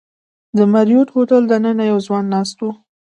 د مریوټ هوټل دننه یو ځوان ناست و.